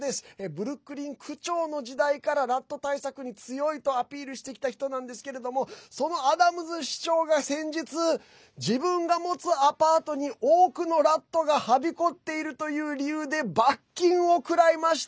ブルックリン区長の時代からラット対策に強いとアピールしてきた人なんですけどそのアダムズ市長が先日自分が持つアパートに多くのラットがはびこっているという理由で罰金を食らいました。